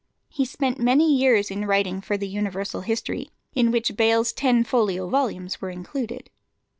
He spent many years in writing for the Universal History, in which Bayle's ten folio volumes were included.